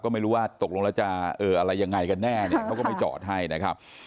ก็ไม่รู้ว่าตกลงแล้วจะอะไรยังไงกันแน่เนี่ยเขาก็ไม่จอดให้นะครับ